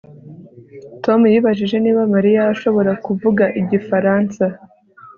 Tom yibajije niba Mariya ashobora kuvuga igifaransa